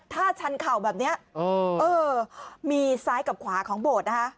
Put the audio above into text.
ถ้าชันเข่าแบบนี้เออมีซ้ายกับขวาของโบสถ์นะคะ